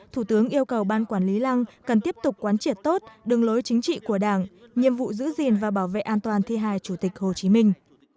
thủ tướng yêu cầu ban quản lý lăng cần tiếp tục quán triệt tốt đường lối chính trị của đảng nhiệm vụ giữ gìn và bảo vệ an toàn thi hài chủ tịch hồ chí minh